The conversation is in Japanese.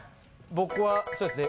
僕はそうですね